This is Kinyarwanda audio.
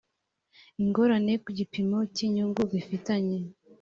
ingorane ku gipimo cy inyungu bifitanye